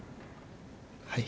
はい。